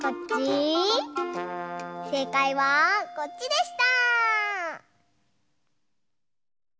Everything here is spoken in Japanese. せいかいはこっちでした！